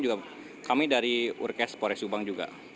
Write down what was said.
juga kami dari urkes pores subang juga